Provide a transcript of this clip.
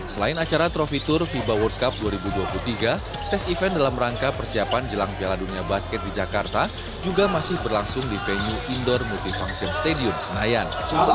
selain acara trofi tour fiba world cup dua ribu dua puluh tiga tes event dalam rangka persiapan jelang piala dunia basket di jakarta juga masih berlangsung di venue indoor multifunction stadium senayan